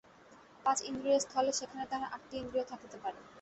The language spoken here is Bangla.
পাঁচ ইন্দ্রিয়ের স্থলে সেখানে তাহার আটটি ইন্দ্রিয় থাকিতে পারে।